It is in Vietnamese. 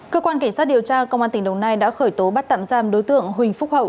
cơ quan cảnh sát điều tra công an tỉnh đồng nai đã khởi tố bắt tạm giam đối tượng huỳnh phúc hậu